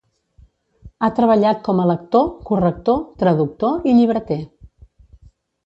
Ha treballat com a lector, corrector, traductor i llibreter.